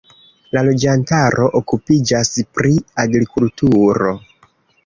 La loĝantaro okupiĝas pri agrikulturo.